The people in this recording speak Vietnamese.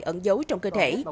ẩn dấu trong cơ thể